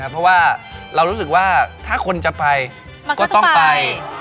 เพราะว่าเรารู้สึกว่าถ้าคนจะไปก็ต้องไป